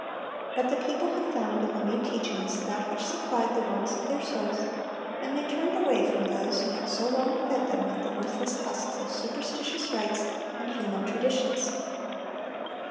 But the people had found in the new teachings that which supplied the wants of their souls, and they turned away from those who had so long fed them with the worthless husks of superstitious rites and human traditions.